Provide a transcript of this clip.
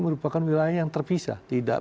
merupakan wilayah yang terpisah tidak